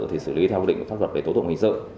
thì xử lý theo quy định của pháp luật về tổ tục hình sự